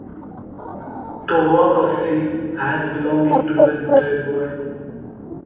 Tova was seen as belonging to the entire world.